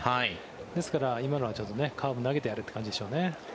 ですから、今のはカーブ投げてやるという感じですよね。